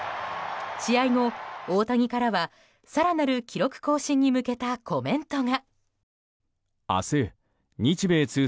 試合後、大谷からは更なる記録更新に向けたコメントが。